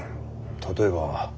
例えば。